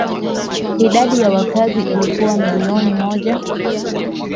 Idadi ya wakazi ilikuwa milioni moja